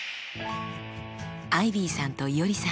アイビーさんといおりさん。